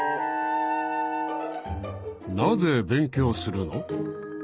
なぜ勉強するの？